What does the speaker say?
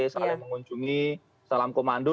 saling mengunjungi salam komando